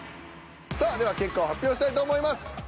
さあでは結果を発表したいと思います。